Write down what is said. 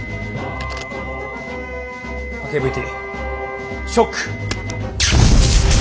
波形ＶＴショック！